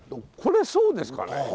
これそうですかね？